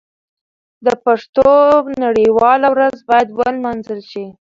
د پښتو نړیواله ورځ باید ونمانځل شي.